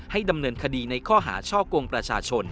ดำเนินคดีในข้อหาช่อกงประชาชน